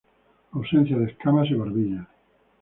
Ausencia de escamas y barbillas.